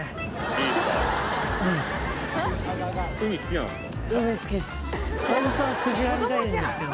海好きなんすか？